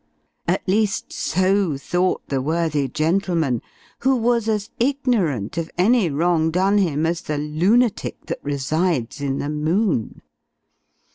At least, so thought the worthy gentleman, who was as ignorant of any wrong done him as the lunatic that resides in the moon.